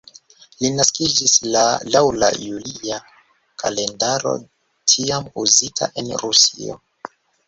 Li naskiĝis la laŭ la julia kalendaro tiam uzita en Rusio.